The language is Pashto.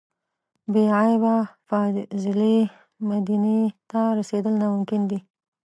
بې عیبه فاضلې مدینې ته رسېدل ناممکن دي.